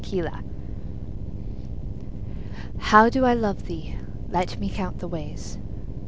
XLIII How do I love thee? Let me count the ways.